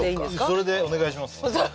それでお願いします